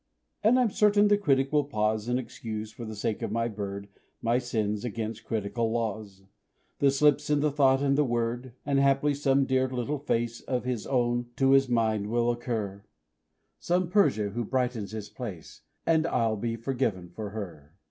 And I'm certain the critic will pause, And excuse, for the sake of my bird, My sins against critical laws The slips in the thought and the word. And haply some dear little face Of his own to his mind will occur Some Persia who brightens his place And I'll be forgiven for her.